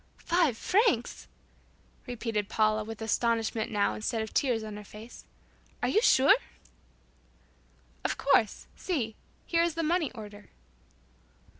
"Five francs!" repeated Paula, with astonishment now instead of tears on her face, "Are you sure?" "Of course. See. Here is the money order."